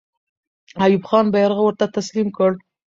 ایوب خان بیرغ ورته تسلیم کړ.